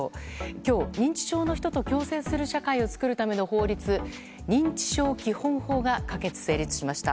今日、認知症の人と共生する社会を作るための法律、認知症基本法が可決・成立しました。